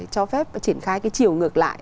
cho phép triển khai cái chiều ngược lại